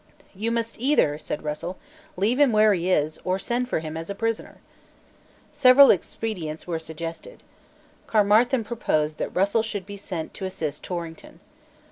"You must either," said Russell, "leave him where he is, or send for him as a prisoner." Several expedients were suggested. Caermarthen proposed that Russell should be sent to assist Torrington.